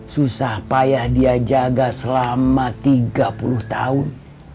susah payah dia jaga selama tiga puluh tahun